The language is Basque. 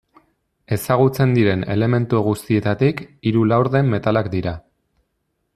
Ezagutzen diren elementu guztietatik, hiru laurden metalak dira.